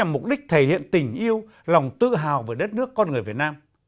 mục đích thể hiện tình yêu lòng tự hào về đất nước con người việt nam